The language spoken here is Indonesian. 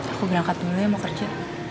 aku berangkat dulu ya mau kerja